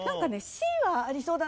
Ｃはありそうだなって